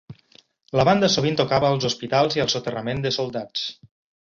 La banda sovint tocava als hospitals i al soterrament de soldats.